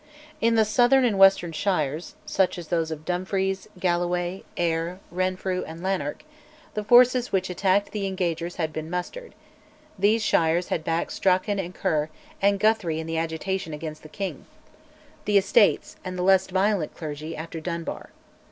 In the southern and western shires, such as those of Dumfries, Galloway, Ayr, Renfrew, and Lanark, the forces which attacked the Engagers had been mustered; these shires had backed Strachan and Ker and Guthrie in the agitation against the king, the Estates, and the less violent clergy, after Dunbar.